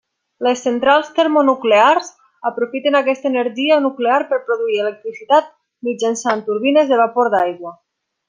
Les centrals termonuclears aprofiten aquesta energia nuclear per produir electricitat mitjançant turbines de vapor d'aigua.